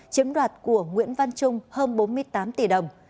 chiếm đoạt của nguyễn văn trung hơn bốn mươi tám tỷ đồng